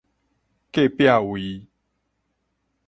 隔壁位